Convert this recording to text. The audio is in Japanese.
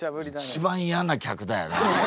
一番嫌な客だよね。